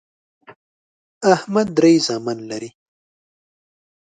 احمد درې زامن لري